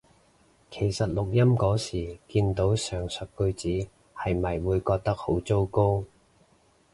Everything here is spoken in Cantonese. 其實錄音嗰時見到上述句子係咪會覺得好糟糕？